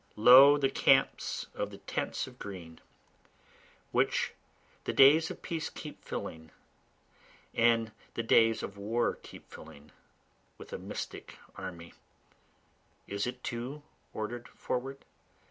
Lo, the camps of the tents of green, Which the days of peace keep filling, and the days of war keep filling, With a mystic army, (is it too order'd forward?